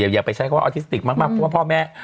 อย่าไปใช้คำว่าออทิสติกมากเพราะว่าพ่อแม่